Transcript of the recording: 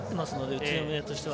宇都宮としては。